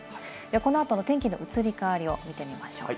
この後の天気の移り変わりを見てみましょう。